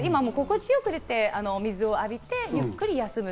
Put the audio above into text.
心地良く出て、水を浴びて、ゆっくり休む。